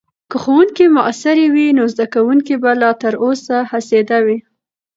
که ښوونکې مؤثرې وي، نو زدکونکي به لا تر اوسه هڅیده وي.